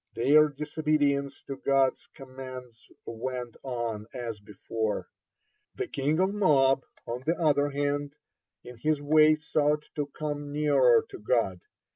Their disobedience to God's commands went on as before. The king of Moab, on the other hand, in his way sought to come nearer to God.